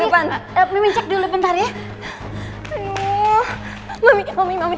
mami cek dulu bentar ya